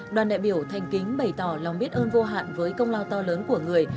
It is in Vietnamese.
đoàn đại biểu thanh kính bày tỏ lòng biết ơn vô hạn với công lao to lớn của người